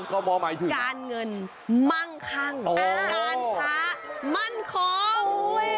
การเงินมั่งช่างการถามั่นคอม